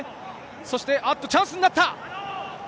そして、あっと、チャンスになった。